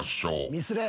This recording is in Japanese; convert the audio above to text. ミスれ。